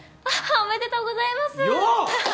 おめでとうございます。